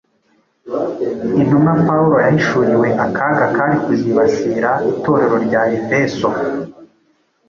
Intumwa Pawulo yahishuriwe akaga kari kuzibasira Itorero rya Efeso